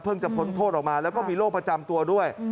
จะพ้นโทษออกมาแล้วก็มีโรคประจำตัวด้วย